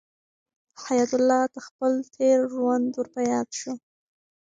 حیات الله ته خپل تېر ژوند ور په یاد شو.